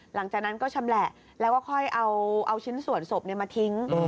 หลังจากนั้นก็ชำแหละแล้วก็ค่อยเอาชิ้นส่วนศพมาทิ้ง